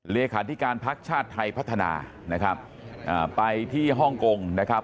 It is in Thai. เลขาธิการพักชาติไทยพัฒนานะครับไปที่ฮ่องกงนะครับ